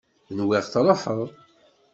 Nwiɣ truḥeḍ.